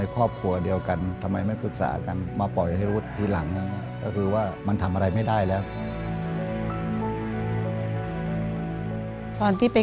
ตอนที่ไปกู้เงินห้าพันบาท